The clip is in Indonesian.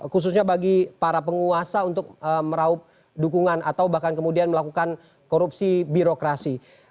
khususnya bagi para penguasa untuk meraup dukungan atau bahkan kemudian melakukan korupsi birokrasi